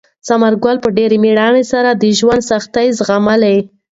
ثمر ګل په ډېرې مېړانې سره د ژوند سختۍ زغملې.